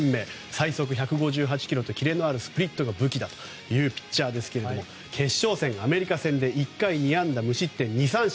最速１５８キロとキレのあるスプリットが武器なピッチャーですけども決勝戦、アメリカ戦で１回２安打無失点２三振。